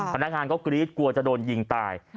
พนักงานก็กรี๊ดกลัวจะโดนยิงตาย